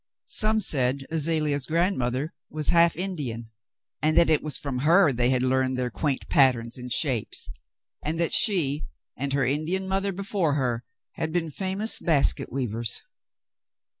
Some said Azalea's grandmother was half Indian, and that it was from her they had learned their quaint patterns and shapes, and that she, and her Indian mother before her, had been famous basket weavers.